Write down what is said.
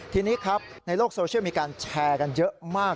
ทีนี้ครับในโลกโซเชียลมีการแชร์กันเยอะมาก